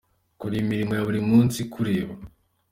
Kora imirimo ya buri munsi ikureba.